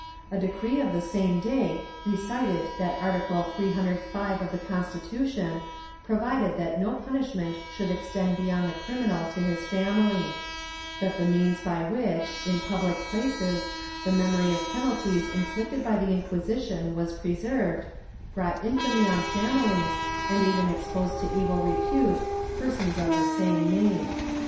A decree of the same day recited that Article 305 of the Constitution provided that no punishment should extend beyond the criminal to his family; that the means by which, in public places, the memory of penalties inflicted by the Inquisition was preserved, brought infamy on families, and even exposed to evil repute persons of the same name.